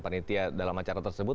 panitia dalam acara tersebut